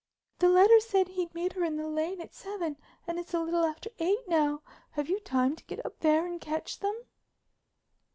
"The letter said he'd meet her in the Lane at seven and it's a little after eight now. Have you time to get up there and catch them?"